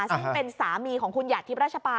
ซึ่งเป็นสามีของคุณหญาติทธิประชาปา